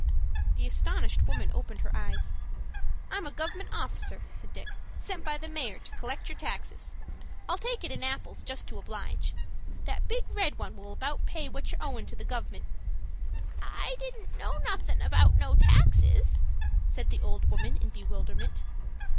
The astonished woman opened her eyes. "I'm a gov'ment officer," said Dick, "sent by the mayor to collect your taxes. I'll take it in apples just to oblige. That big red one will about pay what you're owin' to the gov'ment." "I don't know nothing about no taxes," said the old woman, in bewilderment.